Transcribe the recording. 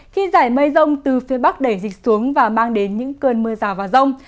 khi giải mây rông từ phía bắc đẩy dịch xuống và mang đến những cơn mưa rào và rông